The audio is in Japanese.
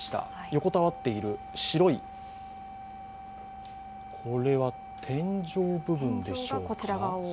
横たわっている白いこれは天井部分でしょうか。